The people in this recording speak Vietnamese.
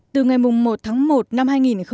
từ ngày một tháng một năm hai nghìn một mươi năm